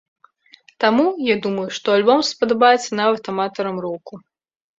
Таму, я думаю, што альбом спадабаецца нават аматарам року.